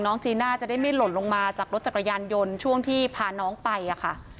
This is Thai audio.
จีนน่าจะได้ไม่หล่นลงมาจากรถจักรยานยนต์ช่วงที่พาน้องไปอะค่ะ